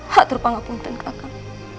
hatur pangapunten kakak